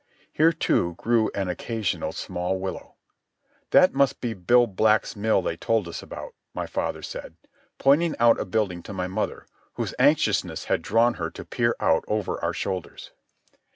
Here, too, grew an occasional small willow. "That must be Bill Black's mill they told us about," my father said, pointing out a building to my mother, whose anxiousness had drawn her to peer out over our shoulders.